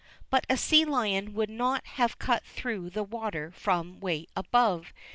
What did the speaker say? But a sea lion would not have cut through the water from way above.